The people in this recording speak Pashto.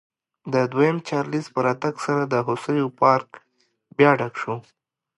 د دویم چارلېز په راتګ سره د هوسیو پارک بیا ډک شو.